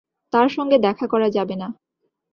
তাঁর সঙ্গে দেখা করা যাবে না।